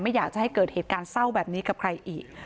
อยากจะให้เกิดเหตุการณ์เศร้าแบบนี้กับใครอีก